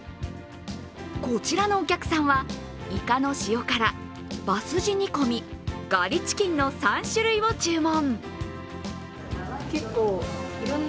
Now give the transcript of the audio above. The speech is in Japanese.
こちらのお客さんは、いかの塩辛、馬すじ煮込み、ガリチキンの３種類を注文。